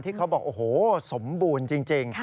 เขาบอกโอ้โหสมบูรณ์จริง